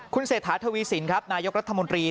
คุณเศรษฐาทวีสินครับนายกรัฐมนตรี